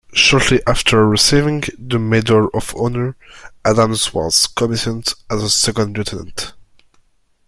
Shortly after receiving the Medal of Honor, Adams was commissioned as a second lieutenant.